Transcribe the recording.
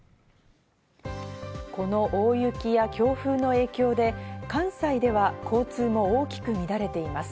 この大雪や強風の影響で関西では交通も大きく乱れています。